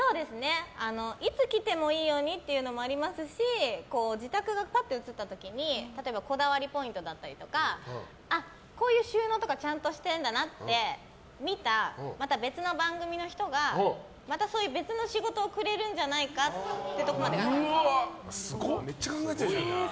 いつ来てもいいようにっていうのもありますし自宅がぱっと映った時に例えばこだわりポイントだったりとかあ、こういう収納とかちゃんとしてるんだなって見たまた別の番組の人がまたそういう別の仕事をくれるんじゃないかってとこまでうわ、すごっ！